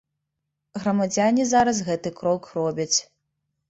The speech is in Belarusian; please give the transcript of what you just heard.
Грамадзяне зараз гэты крок робяць.